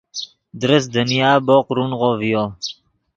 درست دنیا بوق رونغو ڤیو